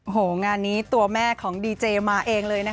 โอ้โหงานนี้ตัวแม่ของดีเจมาเองเลยนะคะ